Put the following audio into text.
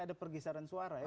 ada pergisaran suara ya